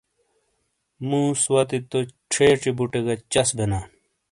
مُوس وتی تو چھیچی بُٹے گہ چَس بینا۔